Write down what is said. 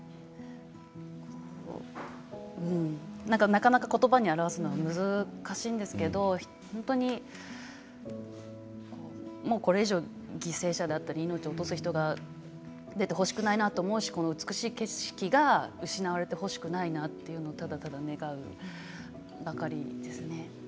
なかなか言葉に表すのは難しいんですけどもうこれ以上、犠牲者だったり命を落とす人が出てほしくないなと思うしこの美しい景色が失われてほしくないなというのをただただ願うばかりですね。